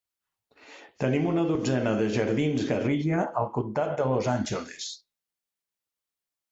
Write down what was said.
Tenint una dotzena de jardins guerrilla al comtat de Los Angeles.